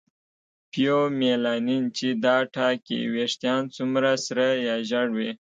فیومیلانین چې دا ټاکي ویښتان څومره سره یا ژېړ وي.